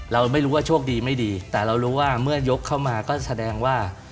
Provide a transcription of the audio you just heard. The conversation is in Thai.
เราไม่รู้ว่าโชคดีไม่ดีแต่เรารู้ว่าเมื่อยกเข้ามาก็แสดงว่า